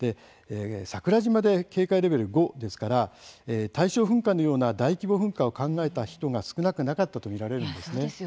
桜島で警戒レベル５ですから大正噴火のような大規模噴火を考えた人が少なくなかったと見られるんですね。